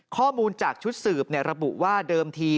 ข้อมูลจากชุดสืบระบุว่าเดิมที